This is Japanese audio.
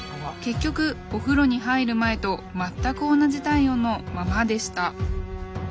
結局お風呂に入る前と全く同じ体温のままでした。